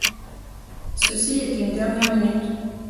Ceci est une dernière minute.